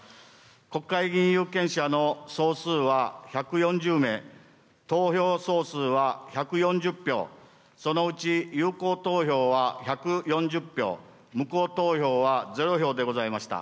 国会議員有権者の総数は１４０名、投票総数は１４０票、そのうち有効投票は１４０票、無効投票は０票でございました。